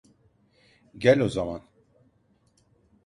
Gel o zaman.